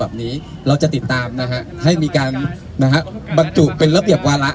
แบบนี้เราจะติดตามนะฮะให้มีการนะฮะบรรจุเป็นระเบียบวาระ